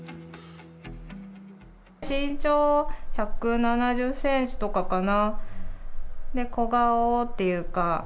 身長１７０センチとかかな、小顔っていうか。